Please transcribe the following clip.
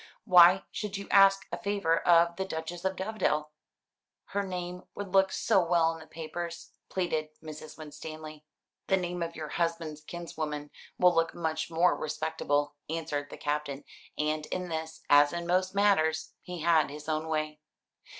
Why should you ask a favour of the Duchess of Dovedale?" "Her name would look so well in the papers," pleaded Mrs. Winstanley. "The name of your husband's kinswoman will look much more respectable," answered the Captain; and in this, as in most matters, he had his own way.